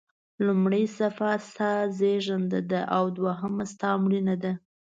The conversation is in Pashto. لومړۍ صفحه ستا زیږېدنه او دوهمه ستا مړینه ده.